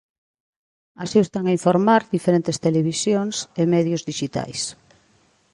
Así o están a informar diferentes televisións e medios dixitais.